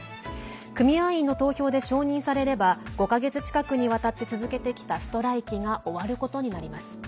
組合員の投票で承認されれば５か月近くにわたって続けてきたストライキが終わることになります。